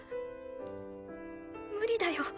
無理だよ。